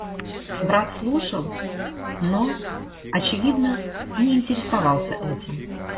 Брат слушал, но, очевидно, не интересовался этим.